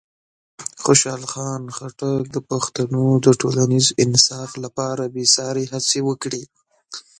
خوشحال خان خټک د پښتنو د ټولنیز انصاف لپاره بېساري هڅې وکړې.